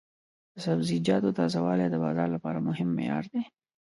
د سبزیجاتو تازه والی د بازار لپاره مهم معیار دی.